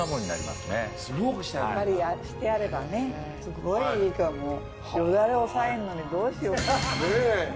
すごいいいかもヨダレ抑えんのにどうしよう。ね。